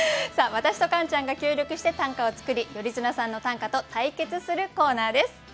さあ私とカンちゃんが協力して短歌を作り頼綱さんの短歌と対決するコーナーです。